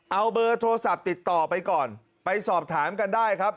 เอาเบอร์โทรศัพท์ติดต่อไปก่อนไปสอบถามกันได้ครับ